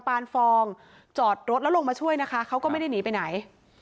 ปานฟองจอดรถแล้วลงมาช่วยนะคะเขาก็ไม่ได้หนีไปไหน